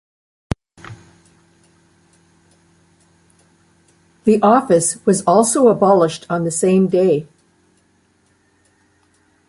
The office was also abolished on the same day.